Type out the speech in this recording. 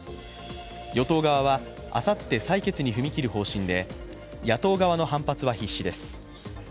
与党側はあさって採決に踏み切る方針で野党側の反発は必至です。